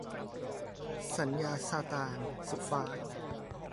สัญญาซาตาน - สุฟ้า